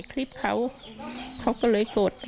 กังฟูเปล่าใหญ่มา